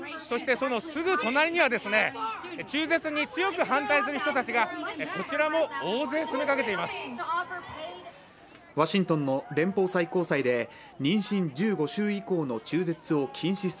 そのすぐ隣には中絶に強く反対する人たちがこちらも大勢詰めかけています。